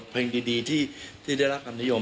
เพลงดีที่เลี้ยงรักทางความพินิจยม